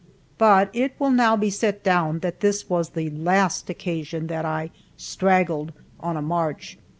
But it will now be set down that this was the last occasion when I "straggled" on a march.